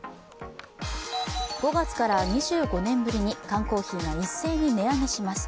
５月から２５年ぶりに缶コーヒーが一斉に値上げします。